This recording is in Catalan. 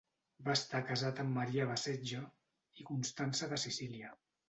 Va estar casat amb Maria Baseggio i Constança de Sicília.